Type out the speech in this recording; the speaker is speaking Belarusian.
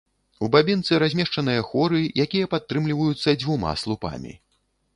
У бабінцы размешчаныя хоры, якія падтрымліваюцца дзвюма слупамі.